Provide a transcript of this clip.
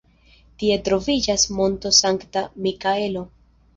Tie troviĝas Monto Sankta Mikaelo.